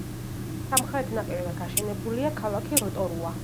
სამხრეთ ნაპირზე გაშენებულია ქალაქი როტორუა.